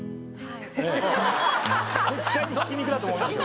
絶対にひき肉だと思いますよ。